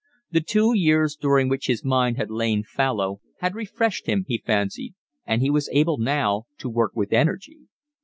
The two years during which his mind had lain fallow had refreshed him, he fancied, and he was able now to work with energy.